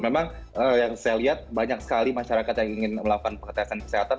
memang yang saya lihat banyak sekali masyarakat yang ingin melakukan pengetesan kesehatan